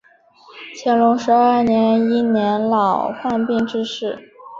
乾隆十二年因年老患病致仕。